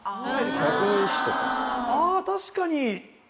あ確かに。